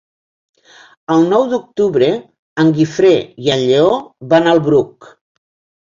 El nou d'octubre en Guifré i en Lleó van al Bruc.